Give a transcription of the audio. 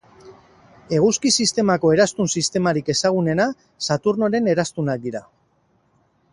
Eguzki-sistemako eraztun sistemarik ezagunena Saturnoren eraztunak dira.